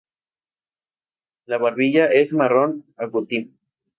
La barbilla es marrón-agutí.